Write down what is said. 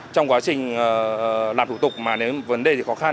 trong quá trình làm thủ tục mà nếu vấn đề thì khó khăn